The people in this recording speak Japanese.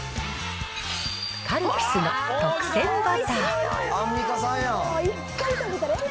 カルピスの特撰バター。